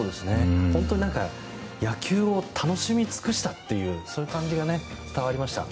本当に野球を楽しみつくしたという感じが伝わりました。